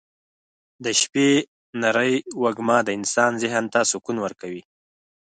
د شپې نرۍ وږمه د انسان ذهن ته سکون ورکوي.